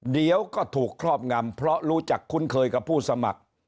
เดี๋ยวก็ถูกครอบงำเพราะรู้จักคุ้นเคยกับผู้สมัคร